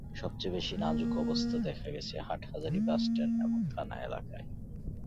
সবচেয়ে বেশি নাজুক অবস্থা দেখা গেছে হাটহাজারী বাসস্ট্যান্ড এবং থানা এলাকায়।